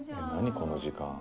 この時間。